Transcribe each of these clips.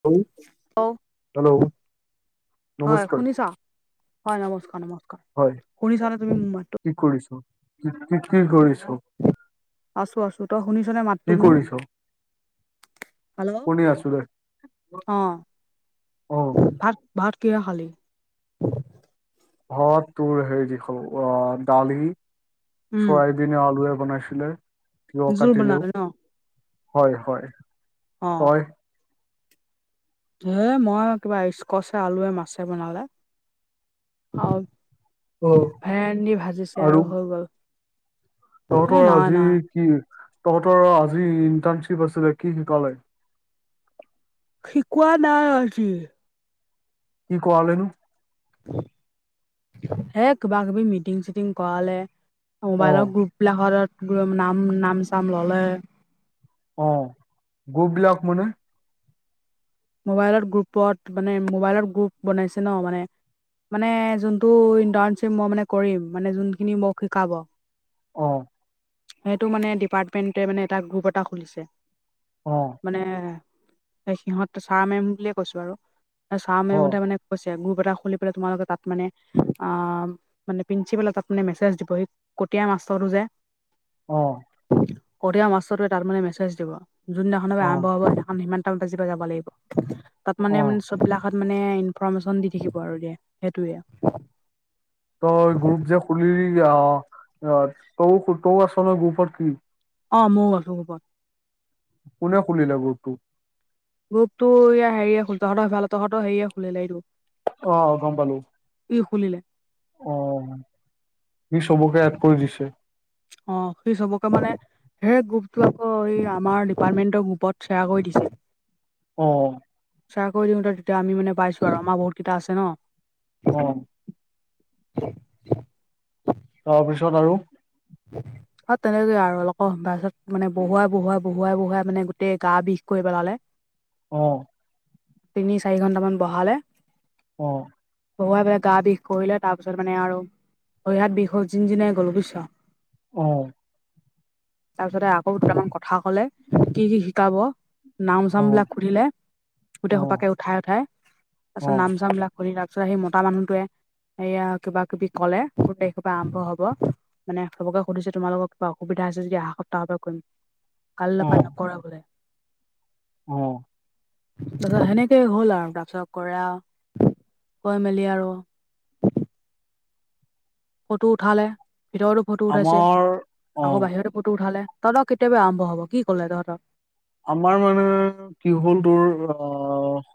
Hello অ', hello হয় নমস্কাৰ শুনিছা হয় নমস্কাৰ নমস্কাৰ হয় শুনিছা নে তুমি কি কৰিছো কি কি কি কৰিছো আছো আছো তই শুনিছ নে মাতো কি মোৰ কৰিছ হেল্ল' শুনি আছো দে অ', অ ভাল ভাত কিহ খালি বত দৰ সে দেখ অ', দালি উম, চৰাই দিনে আলুৱে বনাইছিলে তিয় জোল কাটিলেও বনালে ন? হয় হয় অ', তই মই কিবা স্কচ আলুৱে মাছে বনালে আৰু অ ভেৰা ভাজিছে আৰু হৈ গ'ল এ তহঁতৰ নাই আজি নাই কি তহঁতৰ আজি ইণ্টাৰ্ণশ্বিপ আছিলে কি শিকালে শিকোৱা নাই আজি কি কোৱালনো হেই কিবা কিবি মিটিং চিটিং কৰালে অ মোবাইলৰ গ্ৰুপ বিলঘৰত নাম নাম চাম ল'লে অ', গোপ বিলাক মানে মোবাইলত গ্ৰুপত মানে মোবাইলত গ্ৰুপ বনাইছে ন মানে মানে যোনটো ইন্টাৰণশ্বিপ মই মানে কৰিম মানে যোনখিনি মোক শিকাব অ' সেইটো মানে ডিপাৰ্টমেণ্টে মানে এটা গ্ৰুপ এটা খুলিছে অ' মানে এ সিহত চাহ মেম বুলিয়ে কৈছো আৰু এ চাহ অ মেমহতে মানে কৈছে গ্ৰুপ এটা খুলি পেলাই তোমালোকে তাত মানে আহ মানে প্ৰিন্ঞ্চিপালত আপুনি মেছেজ দিব সি কটীয়া মাষ্টৰটো যে অ কঠিয়া মাটোৱে তাৰ মানে মেছেজ দিব যোনদিনাখ অ আৰম্ভ হব সেইনা স ল অ ম বিলাকত মানে ইনফৰৰ্মেশ্যন দি থাকিব আৰু দিয়া সেইটোৱে তই গ্ৰুপ যে খুলি অ তই তই আছ ন গ্ৰুপত কি অ মইো গলো কোপত কোনে খুলিলে গুৰটো গ্ৰপতটো ইয়া হেৰিয় খুল তহঁতৰ ভাল তহতৰ হেৰিয়ে খুলিলে এইটো অ গ্পাল ই শুনিলে অ সি চবকে এড কৰি দিছে অ সেই চবকে মানে হে গ্ৰুপতটো আকৌ এই আমাৰ ডিপাৰ্টমেণ্টৰ গ্ৰুপত শ্বেয়াৰ কৰি দিছে অ চয়াৰ কৰি দিওঁতে তেতিয়া আমিানে পাইো আৰু আমাৰ বহুত কেইটা আছে ন অ [inaudible] তাৰপিছত আৰু? [inaudible] তেনেকয়ে আৰু অলক মান মানে বহুৱাই বহুৱাই, বহুৱাই, বহুৱাই মানে গোটেই গা বিষ কৰি পেলালে। উ'ম তিনি চাৰি ঘণ্টামান বঢহালে অ পঢ়ুৱাই পেলাই গা বিষ কৰিলে তাৰ পিছত মানে আৰু ভৰিহাত বিষ যিন যিনাই গ'ল বুজিছ? অ তাৰপিছতে আকৌ দুটামান কথা কলে কি কি শিকাব। নাম জাম অ বিলাক সুধিলে গোটেই অ সপাাকে উঠাই, উঠাই তাৰপিছত অ নাম জাম বিলাক সু তাৰপিছত সেই মতা মানুহটোৱে সেয়া কিবা-কিবি কলে গাৰখৰ পৰা আৰম্ভ হব? মানে চবকে সুধিছে তোমালোক কিবা অসুবিধা হৈছে যদি এা সপ্তাহৰে কৰিম। কাল্ল অ পায় ন কৰা ব। অ তাৰপিছত সেনেকে হ'ল আৰু তাৰপিছত কৰা কৈ মেলি আৰু ফটো উঠালে ভিতৰতো ফটো উঠাইছে আমাৰ অ আকৌ বাহিৰত। ফটো উঠালে তহঁৰ কেতিয়াবা আৰম্ভ হব কি কৰিলে তহঁতৰ? আমাৰ মানে! কি হ'ল তোৰ অ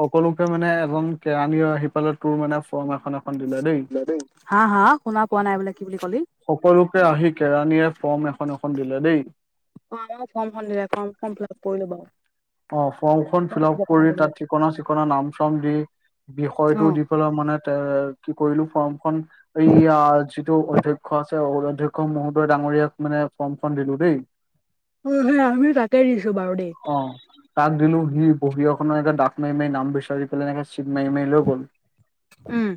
সকলোকে মানে এজন কেৰাণী আহি পালে তোৰ মানে ফৰ্ম এখন পনিল দেই। হা-হা শুনা পোৱা নাই বোলে কি বুলি কলি? সকলোকে আহি কেৰাণীয়ে ফৰ্ম এখন এখন দিলে দেই। অ আমাৰ ফৰ্মখনিলে ফৰ্ম ফ ফিলপ কৰিলো বাৰু। অ ফৰ্মখন ফিল আপ কৰি পাহৰি থাকিলো তাত ঠিকনা চিকনা নাম চাম দি অ বিষয়টো দি ফ মানে এ কি কৰিলো ফৰ্মখন এইয়া যিটো অধ্যক্ষ আছে অধ্যক্ষ মহোদয় ডাঙৰীয়াক মানে ফৰ্ম ফৰ্ম দিলো দেই। [inaudible] অ স আমিও তাকেই দিছো বাৰু দেত। অ তাক দিলো সি বহি এখনৰ এে ডাক মাৰি মাৰি নাম বিচাৰি পেলাই এনেকে চিট মাৰি মাৰি লৈ গ'ল। [inaudible] উ'ম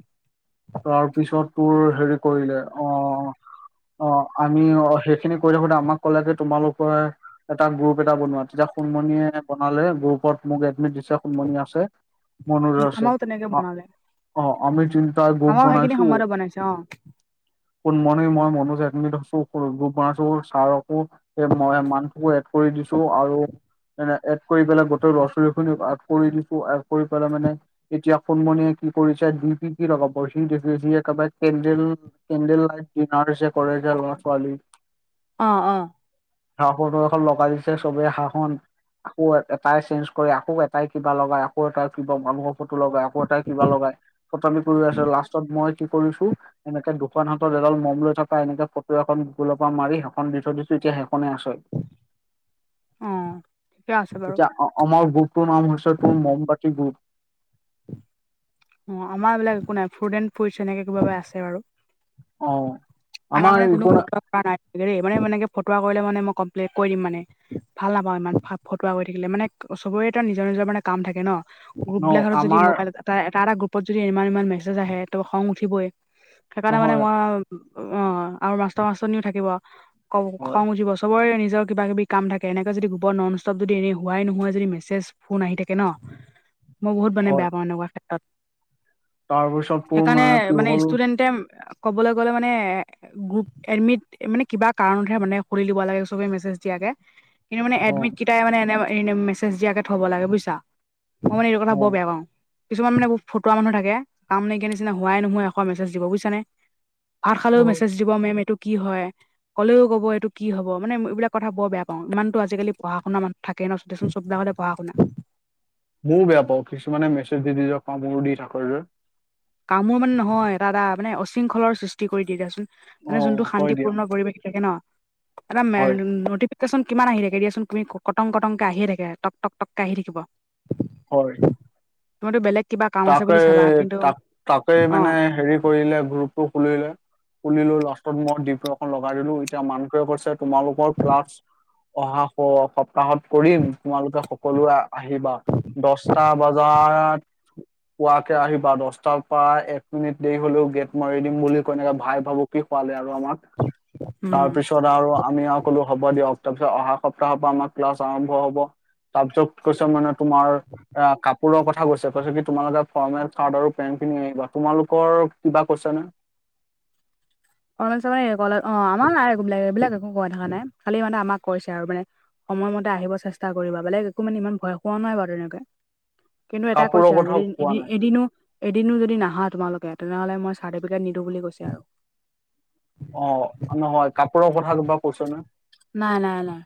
তাৰ পিছত তোৰ হেৰি কৰিলে অ অ, আমি অ, সেইখিনি কৰি থাকোতে আমাক ক'লে যে তোমালোকৰ এটা গ্ৰুপ এটা বনোৱা তেতিয়া সুণমণিয়ে বনালে গ্ৰুপত মোক এডমিট দিছে। কমণ আছে মননুজ আছে আমাৰো তেনেকে বনালে অ আমি য তাৰ গুপ আমাৰো সেইখিনি বনাইছো সময়তে বনাইছে অ ক ম মই মনোজ এিন ধছো গোপ বনাইছো ছাৰকো অ' মই মানসো এড কৰি দিছো আৰু এ এড কৰি পেলাই গোটেই ল'ৰা ছোৱালী খ আগ কৰি দিছো আগ কৰি পেলাই মানে এতিয়া সোনমণিয়ে কি কৰিছে ডি পি কি লগাব সি দেখ যি একেবাৰে কেণদেল কেণ্ডেল লাইট ডিনাৰ যে কৰেছে ল'ৰা ছোৱালী? অ', অ', হাঁহ ফটো এখন লগাই দিছে চবে হাঁহখনন আকৌ এটাই চেঞ্জ কৰে আকৌ এটাই কিবা লগাই আকৌ এটাই কিবা মানুহৰ ফটো লগাই আকৌ এটাই কিবা লগায় কটনি কৰি আছে লাষ্টত মই কি কৰিছো! এনেকে দুোকান হাতত এডাল মম লৈ থকা এনেকে ফটো এখন গুগলৰ পৰা মাৰি সেইখন দি থৈ দিছো এতিয়া সেইখনে আছে। অ', ঠিকে আছে বাৰু। এতিয়া আমাৰ গুপটোৰ নাম হৈছে, তোৰ মমবতি গুপ। অ'আমাৰ এইবিলাক একো নাই ফ্ৰুড এণ্চ একে কিবা আছোৰু। অ আমাৰ মানে কোনো একো ন ফ'ট কৰা নাই। মানে মই ফটোৱা কৰিলে মানে মই কমপ্লেন কৰি দিম মানে। ভাল নাপাওঁ ইমান ফটুৱা কৰি থাকিলে মানে চবৰে নিজৰ নিজৰ মানে কাম থাকে ন। গ্ৰুপ ন বিলাকত যদি আমাৰ মোবাইলত এ এটা এটা গ্ৰুপত যদি ইমান ইমান মেছেজ আহে ত' খং উঠিবই। সেইকাৰণে মানে নহয় মই অ' আৰু মাষ্টৰ মাষ্টনিও থাকিব ক হয় খং উথিব চবৰে নিজক কিবা কিবি কাম থাকে এনেক যদি গোপৰ নন ষ্টপ যদি এনেই হোৱাই নোহোৱা যদি মেছেজ ফোন আহি থাকে ন মই বহুত মানে হয় বেয়া পাওঁ এনেকুৱা ক্ষেত্ৰত। তাৰপিছত তোৰ সেইকাৰণে কি মানে হ'ল ষ্টুডেণ্টে কবলৈ গ'লে মানে গ্ৰুপ এডমিট মানে কিবা কাৰণতহে মানে খুলি দিব লাগে সবে মেছেজ দিয়াকে। কিন্তু মানে অ এডমিট কেইটাই মানে এনে এনে মেছেজ দিয়াকে থ'ব লাগে বুইছা। মই মানে এইটো কথা অ বৰ বেয়া পাওঁ কিছুমান মানে ফটুৱোৱা মানুহ থাকে কাম নাইকিয়া নিচিনা হোৱাই নহাই এখোপা মেছেজ দিব বুজিছা নে ভাত খালেও মেছেজ দিব মেম এইটো কি হয়। কলেও কব এইটো কি হব মানে এইবিল কথা বৰেয়া পাওঁ ইমানটো আজিকালি পঢা শুনা মানুহ থাকে ন দে চোন, চবিলাক হলে পঢ়া শুনা। ময়ো বেয়া পাওঁ কিছুমানে মেছেজ দি দি যে কামোৰ দি থাকে যে কামোৰ মানে নহয়, এটা এটা মানে অশৃংখলৰ সৃষ্টি কৰি দ দিয়াচোন। অ মানে যোনটো হয় দিয়া শান্তিপূৰ্ণ পৰিৱেশ থাকে ন এটা হয় ন চোন কিমান আহি থাকে দিয়াচোন তুমি কটং কটংকে আহি থাকে ট টক টকে আহি থাকিব। হয়। তুমিতো বেলেগ কিবা কাম আছে তাকে বুলি চাবা কিন্তু তাক তাকে অ মানে হেৰি কৰিলে গ্ৰুপ টো খুলিলে খুলিলো লাষ্টত মই ডিপ এখন লগাই দিলো এতিয়া মানুকে কৈছে তোমালোকৰ ক্লাছ অহা সপ্তাহত কৰিম। তোমালোকে সকলোৱে আহিবা দছটা বজাত। পুৱাকে আহিবা দশটাৰ পৰা এক মিনিট দেৰি হলেও গেট মাৰি দিম বুলি কইনেকে ভাই ভাবোক খোৱালে আৰু আমাক উম তাৰপিছত আৰু আমি আৰু কলো হ'ব দিয়ক তাৰপিছত অহা সপ্তাহৰ পৰা আমাৰ ক্লাছ আৰম্ভ হ'ব। তাৰপিছত কৈছে মানে তোমাৰ অ কাপোৰৰ কথা কৈছে কি তোমালোকে ফৰ্মেল কাৰ্ড আৰু পেন খিনি আহিবা তোমালোকৰ কিবা কৈছ নে [unintelligible] অ আমাৰ নাইবাক এইবিলাক একো কোৱা থকা নাই খালি মানে আমাক কৈছে আৰু মানে। সময়মতে আহিব চেষ্টা কৰিবা বেলেগ একো মানে ইমান ভয় খোৱা নাই বাৰু এনেকে। কিন্তু এটা কৈছে কাপোৰৰ আৰু কথা যদি কোৱা এনে নাই এদিনো এদিনো যদি নাহা তোমালোকে তেনেহ'লে মই চাৰ্টিফিকেট নিদিওঁ বুলি কৈছে আৰু। অ' নহয় কাপোৰৰ কথাটো বাৰু কৈছে নে? নাই নাই নাই।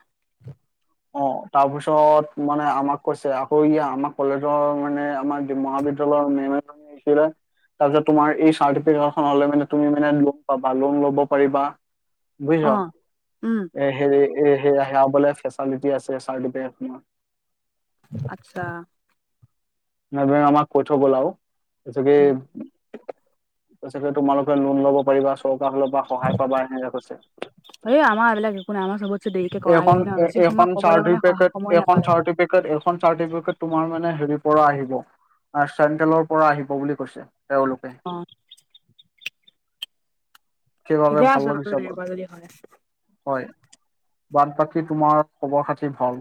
অ' তাৰপিছত মানে আমাক কৈছে আকৌ ই আমাৰ কলেজৰ মানে আমাৰ মহাবিদ্যালয় িল [unintelligible] তাৰপিছত তোমাৰ এই চাৰ্ট টিকেট খন লৈ মানে তুমি মানে লোন পাবা লোন ল'ব পাৰিবা। অ বুজিচ, উম এ হেৰি এ বোলে কোৱালিটি আছে চাৰ্টপিকেট খনৰ। আচ্ছা। চাৰে আমাক কৈ ঠৈ গল আও, কৈছে কি উম কৈছে তোমালোকে লোন ল'ব পাৰিবা চৰকাৰৰ ফালৰ পৰা সহায় পাবা এনেকে কৈছে। এই আমাৰ এইবিলাক একো নাই আমাৰ চবতকে দেৰিকে কৰালে এইখন ন এ বেছি সময় কবলৈ মানে স সময়ে নাপালে। এই সেইখন চাৰ্টিফিকেট তোমাৰ মানে হেৰি পৰা আহিব। চেণ্ট্ৰেলৰ পৰা আহিব বুলি কৈছে, তেওঁলোকে। অ'। কি ভাবে ঠিকে ভাল আছে [unintelligible] বাৰু এনেকুৱা যদি হয়, হয়, বাদ বাকী তোমাৰ খবৰ খাতি ভাল?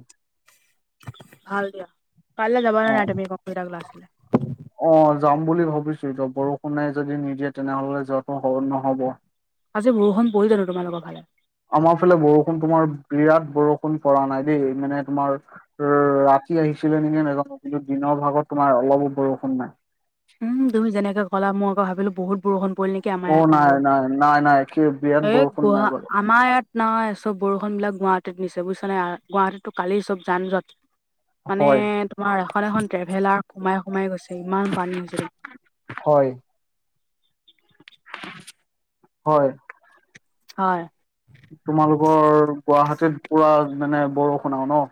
ভাল দিয়া, কাললৈ যাবা ন অ নাই তুমি কম্পিউটাৰ ক্লাছেলৈ। অ' যাম বুলি ভাবিছো বৰষুণে যদি নিদিয়ে তেনেহলে যোৱাতটো নহব। আজ বৰষুণ পৰিল জানো তোমালোকৰ ফালে? আমাৰ ফালে বৰষুণ তোমাৰ বিৰাট বৰষুণ পৰা নাই দেই, মানে তোমাৰ অ' ৰাতি আহিছিলে নেকি কিন্তু দিনৰ ভাগত তোমাৰ অলপো বৰষুণ নাই। উমুি যেনেকে গ'া মই আকৌ ভাবিলো বুত বৰষুণ পৰিল নকি। অ' নাই নাই নাই নাই ক বিৰাত এই বৰষুণ নাই। গুৱা আমাৰ ইয়াত নাইয় চব বৰষুণ বিলাক গুৱাহাটীত নিছে বুজিছ নাই, গুৱাহাটীতো কালি চব যান যত মানে হয় তোমাৰ এখন এখন ট্ৰেভেলাৰ সোমাই সোমাই গৈছে, ইমান পানী হৈছে। হয়, হয়। হয়। তোমালোকৰ গুৱাহাটীত পুৰা মানে বৰষুণও ন।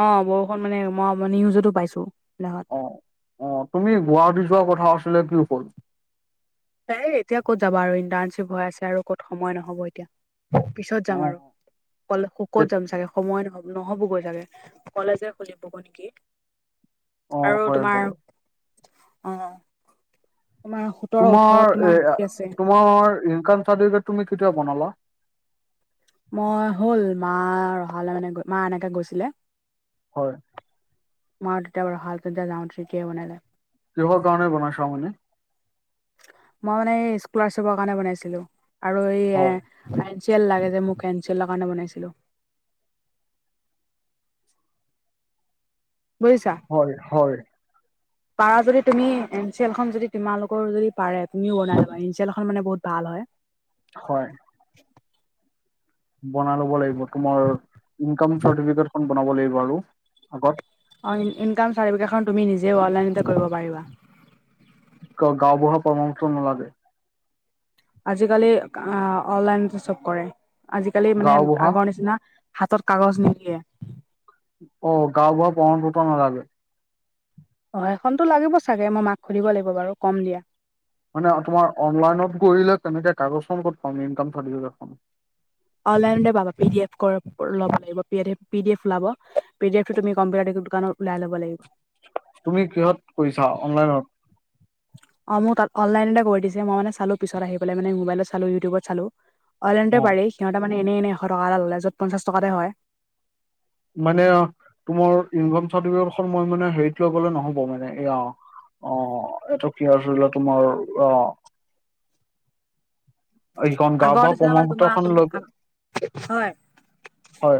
অ' বৰষুণ মানে মই আ নিউজতো পাইছো, বিলাকত। অ' অ' তুমি গুৱাহাটী যোৱা কথা আছিলে কি হ'ল? এই এতিয়া ক'ত যাবা আৰু ইণ্টাৰ্ণশ্বিপ হৈ আছে আৰু ক'ত সময় নহব এতিয়া, পিছত যাম অ আৰু। কলে শুখত কেত- যাম চাগে সময় নহ নহ'বগৈ চাগে। কলেজে খুলিব নেকি, অ আৰু হয় তোমাৰ, হয় অ'। তোমাৰ সোতৰ ওঠ তোমাৰ, আছে। তোমাৰ ইনক চাৰফিকে তুমি কেতিয়া বনালা? মই হ'ল মা ৰহালৈ মানে মা এনেকে গৈছিলে। হয়। মই তেতিয়া বাৰু হল তেতিয়া যাওঁতে কে বনালে। কিহৰ কাৰণে বনাইছাওঁ মানে? মই মানে এই স্কলাৰশ্বিপৰ কাৰণে বনাইছিলো, আৰু এই এ হয় এনেল লাগে যে মোক, এনচেলৰ কাৰণে বনাইছিলো। বুজিছা। হয়, হয়। পাৰা যদি তুমি এনচি এেল খখন যদি তোমালোকৰ যদি পাৰে তুমিও বনাই লবা এনচি এলখন মানে বহুত ভাল হয়। হয়। বনাই লব লাগিব, তোমাৰ ইনকাম চাৰ্টিফিকেট খ বনাব লাগিব, আৰু আগত অ ইনকাম চাৰ্টিফিকেটখন তুমি নিজে অনলাইনতে কৰিব পাৰিবা গাওবুঢ়া পৰামৰ্শ নালাগে আজিকালি আহ অনলাইনতে চব কৰে আজিকালি মানে গাঁওবুঢ়া আগৰ নিচিনা হাতৰ কাগজ নিদিয়ে অ গাও বু়া পৰণ পত নালাগে অ সেইখনতো লাগিব চাগে মই মাক খুলিব লাগিব বাৰু কম দিয়া মানে তোমাৰ অনলাইনত কৰিলে তেনেকে কাগজখন ক'ত কম ইনকাম থ দে অনলাইনাবা পি ডি এফ লব লাগিব পি ডি এফ লব পি ডিফটো তু কম্পিউাৰোকান লাই ল'বাগিব তুমি কিহত কৰিছা অনলাইনত অ মোৰ তাত অনলাইনতে কৰি দিছে মইানে চালো পিত আহি পেল মে মোবাইলত চালো ইউটিউবত চালো অইলাইনতে অ পাৰি সিহঁ মান এনে এশ টকা এটা ল'লে যত পঞ্চা টকাতে হয় মানে তোমাৰ ইনক চাৰ্টিফিকেট মই মানে হেৰিটো আ গলে নহব মানে এয়া অ এইটো কি আছিল তোমাৰ আহ এইখন গা আগৰ বা নিচিনা মানে তোমাৰ প্ৰমুতখন তুমি লোকে হয় হয়